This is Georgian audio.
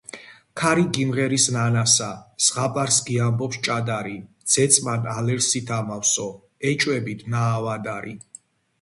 ქარი გიმღერის ნანასა, ზღაპარს გიამბობს ჭადარი.. ძეწმან ალერსით ამავსო ეჭვებით ნაავადარი